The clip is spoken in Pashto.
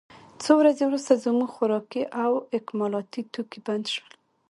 څو ورځې وروسته زموږ خوراکي او اکمالاتي توکي بند شول